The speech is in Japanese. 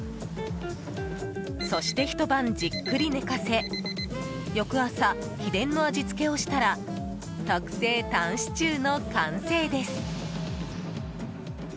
そして、ひと晩じっくり寝かせ翌朝、秘伝の味付けをしたら特製タンシチューの完成です。